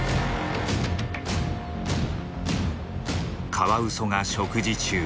カワウソが食事中。